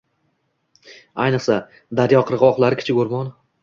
ayniqsa daryo qirgʻoqlari kichik oʻrmon.